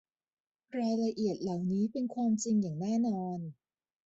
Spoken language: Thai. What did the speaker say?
รายละเอียดเหล่านี้เป็นความจริงอย่างแน่นอน